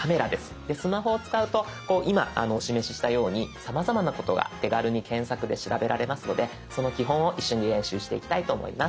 スマホを使うと今お示ししたようにさまざまなことが手軽に検索で調べられますのでその基本を一緒に練習していきたいと思います。